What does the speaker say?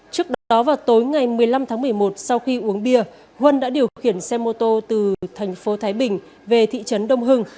trước đó vào tối ngày một mươi năm tháng một mươi một sau khi uống bia huân đã điều khiển xe mô tô từ thành phố thái bình về thị trấn đông hưng